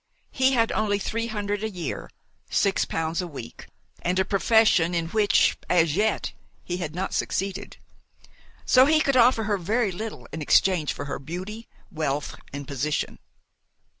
He had only three hundred a year six pounds a week and a profession in which, as yet, he had not succeeded; so he could offer her very little in exchange for her beauty, wealth, and position.